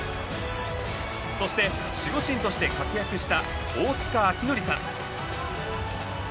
そして守護神として活躍した大塚晶文さん。